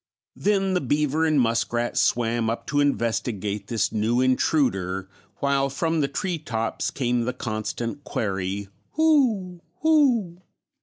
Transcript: Then the beaver and muskrat swam up to investigate this new intruder, while from the tree tops came the constant query, "Who! Who!"